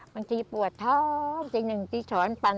บางทีปวดทอบสิหนึ่งสิส่วนปัน